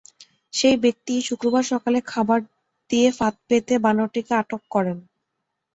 সেই ব্যক্তিই শুক্রবার সকালে খাবার দিয়ে ফাঁদ পেতে বানরটিকে আটক করেন।